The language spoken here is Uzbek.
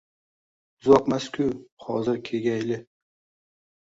Uzoqmas-ku, hozir Kegayli!..